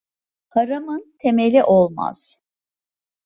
Haramın temeli olmaz.